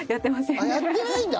あっやってないんだ！